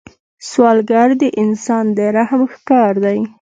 سوالګر د انسان د رحم ښکار دی